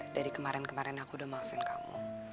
dari kemarin kemarin aku udah maafin kamu